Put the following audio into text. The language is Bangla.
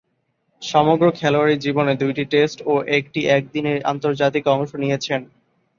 সমগ্র খেলোয়াড়ী জীবনে দুইটি টেস্ট ও একটি একদিনের আন্তর্জাতিকে অংশ নিয়েছেন।